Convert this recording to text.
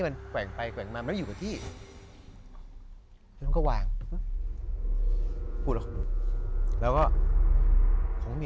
แล้วก็คงก็ไม่อะไรหรอกนะ